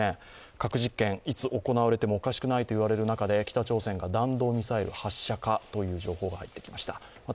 核実験、いつ行われてもおかしくないと言われる中で北朝鮮が弾道ミサイル発射かという情報が入ってきました。